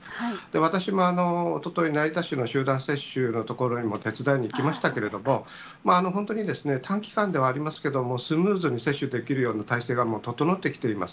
私もおととい、成田市の集団接種の所にも手伝いに行きましたけれども、本当に短期間ではありますけども、スムーズに接種できるような体制が、もう整ってきています。